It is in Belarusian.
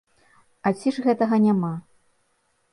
А ці ж гэтага няма?